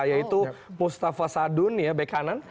yaitu mustafa sadun back kanan